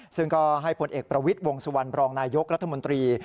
ซึ่งก็ให้ผลเอกประวิทย์วงสุวรรณบรองนายยกรัฐมนตรี